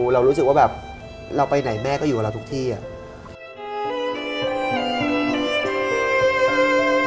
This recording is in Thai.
เรารู้สึกว่าแบบเราไปไหนแม่ก็อยู่กับเราทุกที่อ่ะ